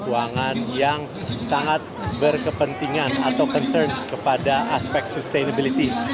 keuangan yang sangat berkepentingan atau concern kepada aspek sustainability